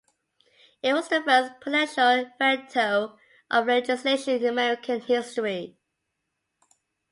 It was the first presidential veto of legislation in American history.